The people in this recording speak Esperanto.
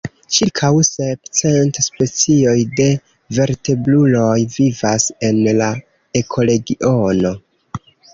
Ĉirkaŭ sep cent specioj de vertebruloj vivas en la ekoregiono.